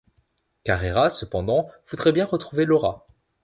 Carrera cependant voudrait bien retrouver Laura.